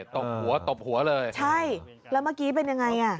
ตบหัวตบหัวเลยใช่แล้วเมื่อกี้เป็นยังไงอ่ะ